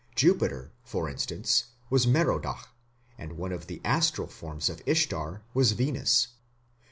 Jupiter, for instance, was Merodach, and one of the astral forms of Ishtar was Venus.